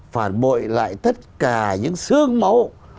phản bội lại tất cả những xương máu